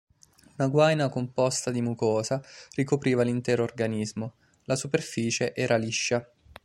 Una guaina composta di mucosa ricopriva l'intero organismo; la superficie era liscia.